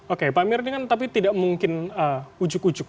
oke pak amir ini kan tapi tidak mungkin ujuk ujuk